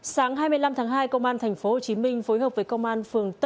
sáng hai mươi năm tháng hai công an tp hcm phối hợp với công an phường đăng kiểm